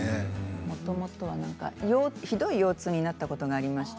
もともとは、ひどい腰痛になったことがありまして